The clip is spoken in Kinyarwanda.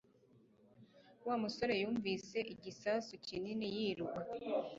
Wa musore yumvise igisasu kinini yiruka